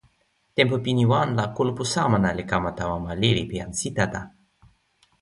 tenpo pini wan la kulupu Samana li kama tawa ma lili pi jan Sitata.